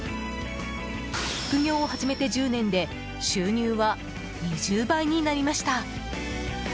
副業を始めて１０年で収入は２０倍になりました。